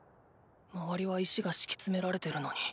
周りは石が敷き詰められてるのに。